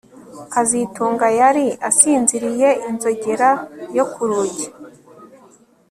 kazitunga yari asinziriye inzogera yo ku rugi